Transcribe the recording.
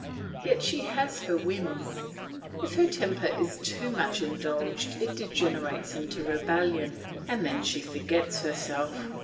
Yet she has her whims; if her temper is too much indulged it degenerates into rebellion, and then she forgets herself.